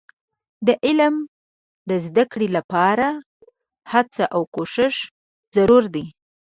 د علم د زده کړې لپاره هڅه او کوښښ ضروري دي.